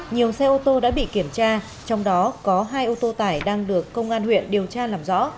nhiều xe ô tô đã bị kiểm tra trong đó có hai ô tô tải đang được công an huyện điều tra làm rõ